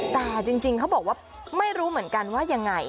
แต่จริงเขาบอกว่าไม่รู้เหมือนกันว่ายังไง